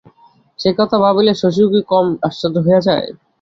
সেকথা ভাবিলে শশীও কি কম আশ্চর্য হইয়া যায়।